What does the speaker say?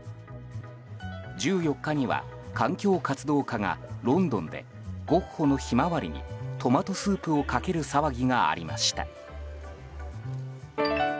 １４日には環境活動家がロンドンでゴッホの「ひまわり」にトマトスープをかける騒ぎがありました。